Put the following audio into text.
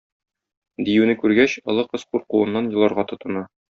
Диюне күргәч, олы кыз куркуыннан еларга тотына.